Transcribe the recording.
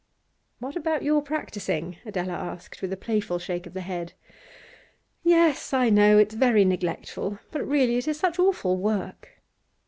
'What about your practising?' Adela asked, with a playful shake of the head. 'Yes, I know it's very neglectful, but really it is such awful work.